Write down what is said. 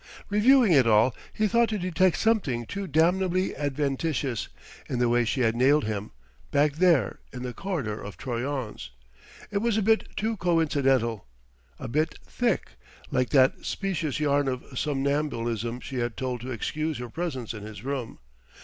Reviewing it all, he thought to detect something too damnably adventitious in the way she had nailed him, back there in the corridor of Troyon's. It was a bit too coincidental "a bit thick!" like that specious yarn of somnambulism she had told to excuse her presence in his room.